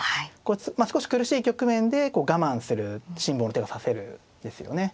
まあ少し苦しい局面で我慢する辛抱の手が指せるんですよね。